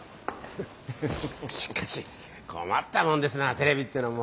しかし困ったもんですなテレビってのも。